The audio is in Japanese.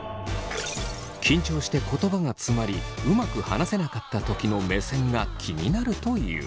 緊張して言葉がつまりうまく話せなかったときの目線が気になるという。